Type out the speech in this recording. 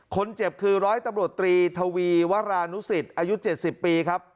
คนเจ็บคือร้อยตำรวจตรีทวีวรานุศิษย์อายุเจ็ดสิบปีครับ